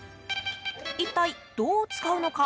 一体どう使うのか。